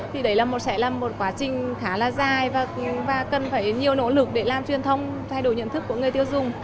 thì đấy sẽ là một quá trình khá là dài và cần phải nhiều nỗ lực để làm truyền thông thay đổi nhận thức của người tiêu dùng